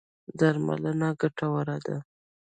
درملنه ګټوره ده.